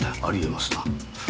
ありえますな。